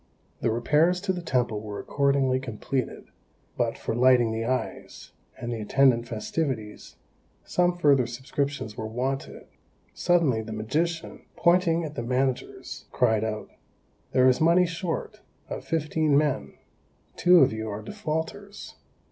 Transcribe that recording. The repairs to the temple were accordingly completed, but for "lighting the eyes," and the attendant festivities, some further subscriptions were wanted. Suddenly, the magician, pointing at the managers, cried out, "There is money short; of fifteen men, two of you are defaulters."